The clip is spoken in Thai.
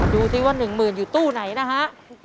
ดูสิว่า๑หมื่นอยู่ตู้ไหนนะฮะ